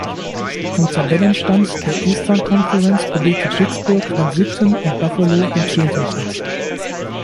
Im Tabellenstand der Eastern Conference belegte Pittsburgh den siebten und Buffalo den zehnten Platz.